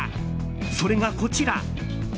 それがこちら。